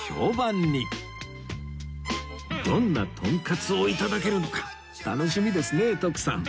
どんなとんかつを頂けるのか楽しみですね徳さん